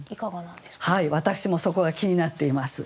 私もそこが気になっています。